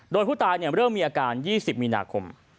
โดยผู้ตายเริ่มมีอาการ๒๐มีนาคม